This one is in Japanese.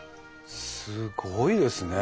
すごいですね。